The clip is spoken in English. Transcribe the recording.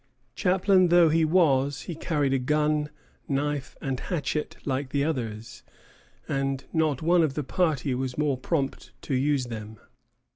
Chaplain though he was, he carried a gun, knife, and hatchet like the others, and not one of the party was more prompt to use them.